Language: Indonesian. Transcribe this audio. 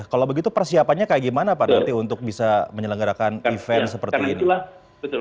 kalau begitu persiapannya kayak gimana pak nanti untuk bisa menyelenggarakan event seperti ini